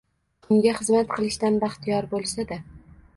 unga xizmat qilishdan baxtiyor bo‘lsada